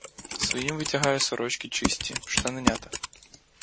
Своїм витягає сорочки чисті, штаненята.